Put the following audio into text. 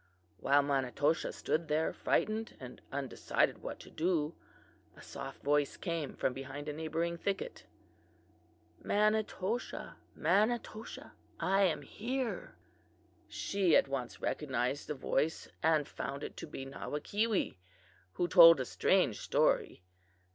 While Manitoshaw stood there, frightened and undecided what to do, a soft voice came from behind a neighboring thicket: "'Manitoshaw! Manitoshaw! I am here!' "She at once recognized, the voice and found it to be Nawakeewee, who told a strange story.